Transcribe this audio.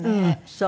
そう。